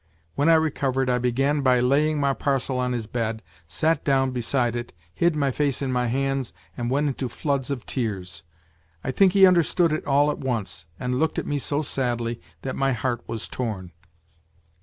When I recovered I began by laying my parcel on his bed, sat down beside it, hid my face in my hands and went into floods of tears. I think he understood it all at once, and looked at me so sadly that my heart was torn.